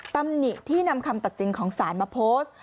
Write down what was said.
ตำหนิที่นำคำตัดสินของศาลมาโพสต์